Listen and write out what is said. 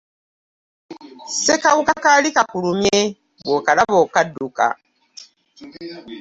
Sekawuka kaali kakulumye, bwokalaba okaduuka.